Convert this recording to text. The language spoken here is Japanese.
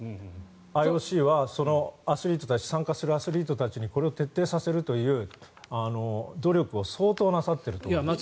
ＩＯＣは参加するアスリートたちにこれを徹底させるという努力を相当なさっていると思います。